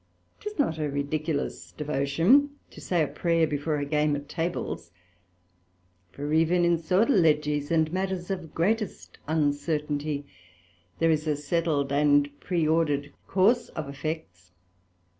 'Tis not a ridiculous devotion to say a prayer before a game at Tables; for even in sortilegies and matters of greatest uncertainty, there is a setled and preordered course of effects.